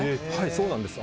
そうなんです。